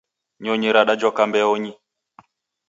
Nyonyi radajoka mbeonyi.